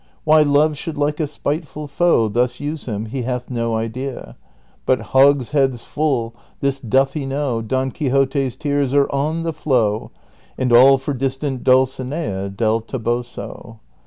AYhy Love should like a spiteful foe Thus use him, he hath no idea, But hogsheads full — this doth he know — Don Quixote's tears are on the flow, And all for distant Dulcinea Del Toboso.